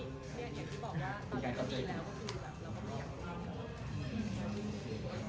พอถึงวันนั้นมันก็กลับไปดีกัน